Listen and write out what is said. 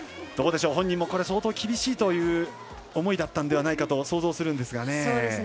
本人も相当厳しいという思いだったんではないかと想像するんですがね。